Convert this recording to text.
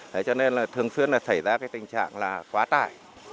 thế cho nên là thường xuyên là xảy ra cái tình trạng là quá tải